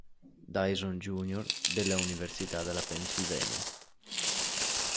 Dyson jr. della università della Pennsylvania.